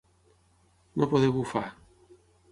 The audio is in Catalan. No poder bufar.